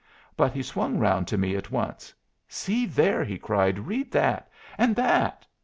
But he swung round to me at once. "See there!" he cried. "Read that! and that!"